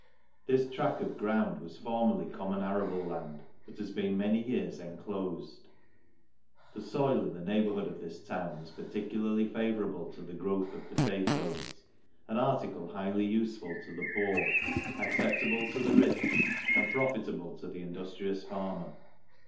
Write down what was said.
This track of ground was formerly com mon arable land, but has been many years enclofed. iThe foil in the neighbourhood of this town is par ticularly favourable to the growth of potatoes ; an •article highly ufeful to the poor, acceptable to the rich, and profitable to the induftrious farmer.